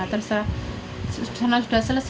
terus sana sudah selesai